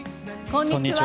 こんにちは。